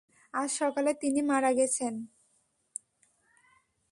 আজ সকালে তিনি মারা গেছেন।